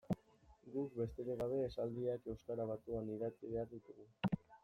Guk, besterik gabe, esaldiak euskara batuan idatzi behar ditugu.